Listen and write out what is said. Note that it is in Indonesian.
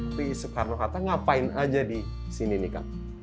tapi soekarno hatta ngapain aja di sini nih kak